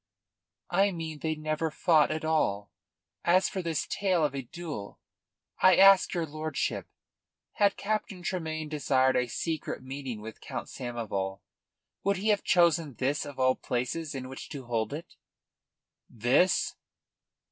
"I mean they never fought at all. As for this tale of a duel, I ask your lordship: Had Captain Tremayne desired a secret meeting with Count Samoval, would he have chosen this of all places in which to hold it?" "This?"